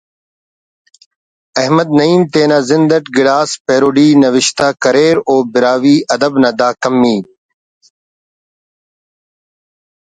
احمد نعیم تینا زند اٹ گڑاس پیروڈی نوشتہ کریر و براہوئی ادب نا دا کمی